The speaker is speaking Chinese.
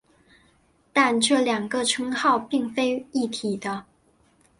但这两个称号并非一体的。